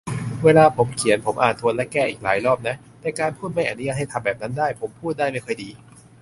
เวลาผมเขียน ผมอ่านทวนและแก้อีกหลายรอบนะ แต่การพูดไม่อนุญาตให้ทำแบบนั้นได้ ผมพูดได้ไม่ค่อยดี